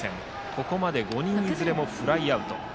ここまで５人いずれもフライアウト。